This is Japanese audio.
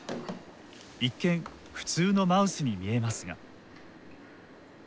一見普通のマウスに見えますが。